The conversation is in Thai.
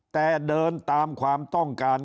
แต่เดินตามความต้องการ